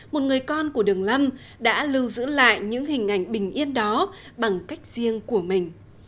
một người con của đường lâm đã lưu giữ lại những hình ảnh bình yên đó bằng cách riêng của mình